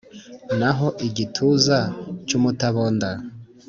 Naho igituza cy'umutabonda